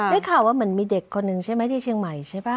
ไม่ข่าวว่ามันมีเด็กคนนึงใช่ไหมที่เชียงใหม่ใช่ป่าว